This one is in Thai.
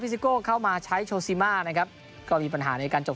ซิโก้เข้ามาใช้โชซิมานะครับก็มีปัญหาในการจบ